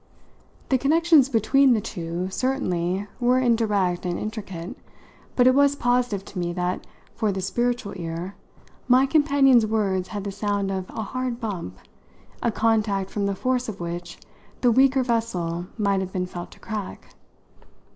The connections between the two, certainly, were indirect and intricate, but it was positive to me that, for the spiritual ear, my companion's words had the sound of a hard bump, a contact from the force of which the weaker vessel might have been felt to crack.